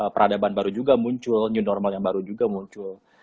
peradaban baru juga muncul new normal yang baru juga muncul